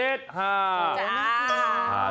โอ้จ้า